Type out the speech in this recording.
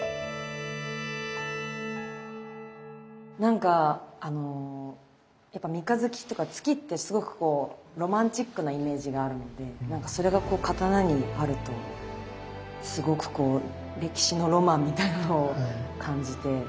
なんかあのやっぱ三日月とか月ってすごくこうロマンチックなイメージがあるのでなんかそれがこう刀にあるとすごくこう歴史のロマンみたいなのを感じて。